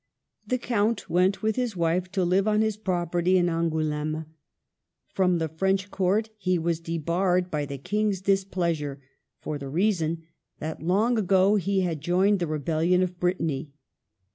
The Count went with his wife to live on his property in Angouleme. From the French court he was debarred by the King's displeasure, for the reason that long ago he had joined the re bellion of Brittany.